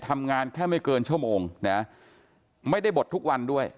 ทำงานแค่ไม่เกินชั่วโมงนะไม่ได้บดทุกวันด้วย